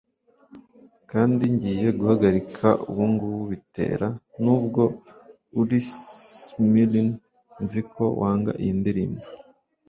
Kandi ngiye guhagarika ubungubu bitera nubwo uri smilin 'Nzi ko wanga iyi ndirimbo